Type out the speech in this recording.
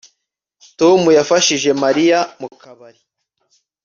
Tom yafashije Mariya mu kabari